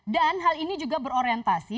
dan hal ini juga berorientasi